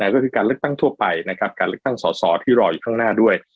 ก็คือการเลือกตั้งทั่วไปนะครับการเลือกตั้งสอสอที่รออยู่ข้างหน้าด้วย